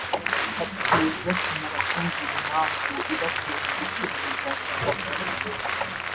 Ati “Bakimara kumbwira impamvu ibatera gucuruza ku gataro